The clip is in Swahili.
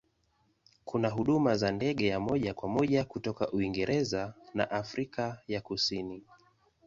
Kuna huduma za ndege ya moja kwa moja kutoka Uingereza na Afrika ya Kusini.